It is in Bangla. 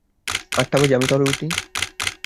আটটা বাজে, আমি তাহলে উঠি?